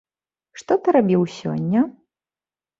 Што ты рабіў сёння?